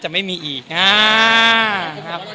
แต่สมัยนี้ไม่ใช่อย่างนั้น